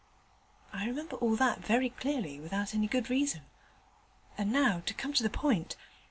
I remember all that very clearly, without any good reason; and now to come to the point.